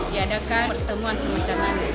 diadakan pertemuan semacam ini